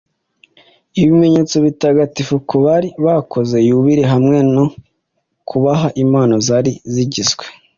ibimenyetso bitagatifu ku bari bakoze yubile hamwe no kubaha impano zari zigizwe